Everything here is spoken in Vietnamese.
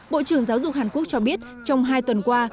bộ trưởng giáo dục hàn quốc cho biết trong hai tuần qua